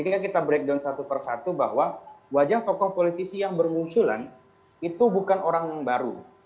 jadi saya ingin mengatakan satu persatu bahwa wajah tokoh politisi yang bermunculan itu bukan orang baru